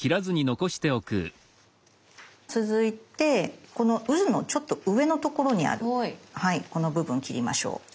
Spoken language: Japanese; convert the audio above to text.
続いてこのうずのちょっと上のところにあるこの部分切りましょう。